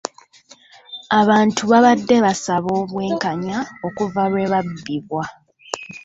Abantu babadde basaba obwenkanya okuva lwe babbibwa.